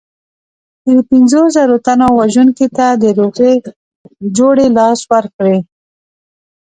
چې د پنځو زرو تنو وژونکي ته د روغې جوړې لاس ورکړي.